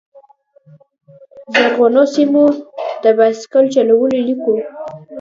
زرغونو سیمو، د بایسکل چلولو لیکو